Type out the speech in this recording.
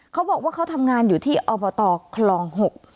เขาบอกว่าเขาทำงานอยู่ที่อบตคลอง๖